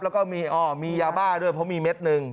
แล้วก็มียาบ้าด้วยเพราะมีเม็ดหนึ่ง